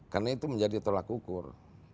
karena itu menjadi tolak ukur